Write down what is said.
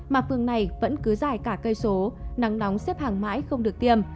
mà phường này vẫn cứ dài cả cây số nắng nóng xếp hàng mãi không được tiêm